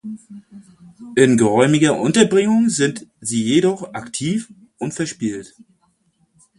In geräumiger Unterbringung sind sie jedoch aktiv und verspielt.